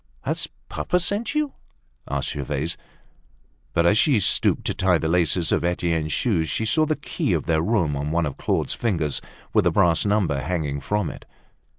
"Has papa sent you?" asked Gervaise. But as she stooped to tie the laces of Etienne's shoes, she saw the key of their room on one of Claude's fingers, with the brass number hanging from it.